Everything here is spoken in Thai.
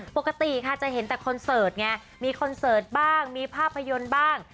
ปกติค่ะจะเห็นแต่คอนเสิร์ตไงมีคอนเสิร์ตบ้างมีภาพยนตร์บ้าง